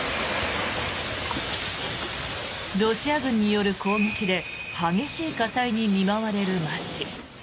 ロシア軍による攻撃で激しい火災に見舞われる街。